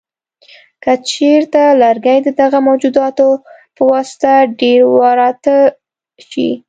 که چېرته لرګي د دغه موجوداتو په واسطه ډېر وراسته شي.